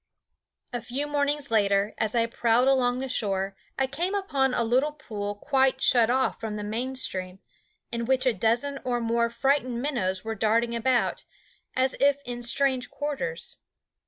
A few mornings later, as I prowled along the shore, I came upon a little pool quite shut off from the main stream, in which a dozen or more frightened minnows were darting about, as if in strange quarters.